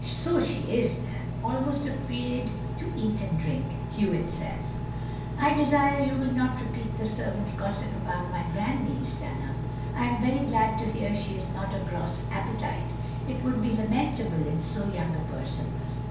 " So she is, 'm. Almost afraid to eat and drink, Hewitt says." "I desire you will not repeat the servants' gossip about my grand niece, Dunham. I am very glad to hear she has not a gross appetite. It would be lamentable in so young a person.